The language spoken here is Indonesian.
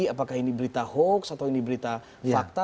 apakah ini berita hoax atau ini berita fakta